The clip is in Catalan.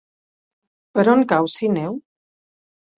Per on cau Sineu?